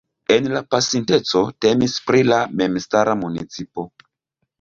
En la pasinteco temis pri la memstara municipo.